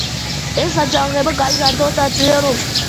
ეს აჯანყება გადაიზარდა ოცდაათწლიან ომში.